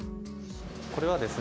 これはですね